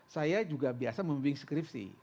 saya juga biasa membimbing skripsi